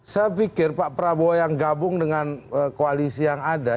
saya pikir pak prabowo yang gabung dengan koalisi yang ada